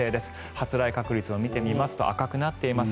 発雷確率を見てみますと赤くなっています。